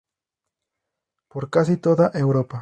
Por casi toda Europa.